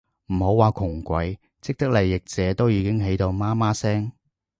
唔好話窮鬼，既得利益者都已經喺度媽媽聲